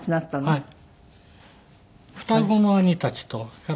はい。